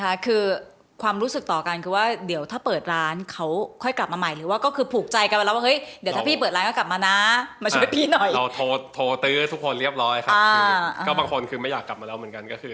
พยาบาลนี้ครับคือยอดเยอะมากมาจากเขาก็หมด